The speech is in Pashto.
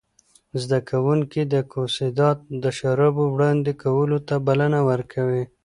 زده کوونکي کوسيدات د شرایطو وړاندې کولو ته بلنه ورکوي.